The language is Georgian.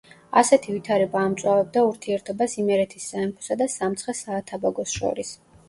ასეთი ვითარება ამწვავებდა ურთიერთობას იმერეთის სამეფოსა და სამცხე-საათაბაგოს შორის.